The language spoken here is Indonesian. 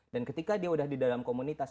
dan ketika dia sudah di dalam komunitas